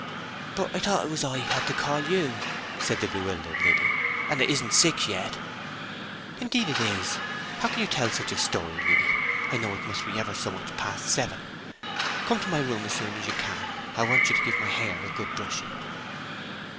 "But I thought it was I who had to call you?" said the bewildered Liddy. "And it isn't six yet." "Indeed it is; how can you tell such a story, Liddy? I know it must be ever so much past seven. Come to my room as soon as you can; I want you to give my hair a good brushing."